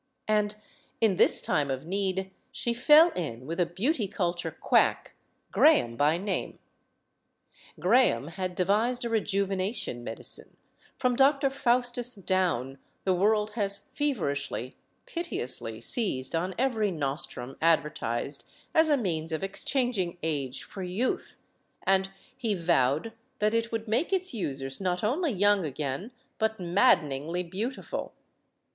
And, in this time of need, she fell in with a beauty culture quack, Graham by name. Graham had devised a rejuvenation medicine from Doctor Faustus down, the world has feverishly, piteous ly seized on every nostrum advertised as a means of exchanging age for youth and he vowed that it would make its users not only young again, but maddeningly beautiful.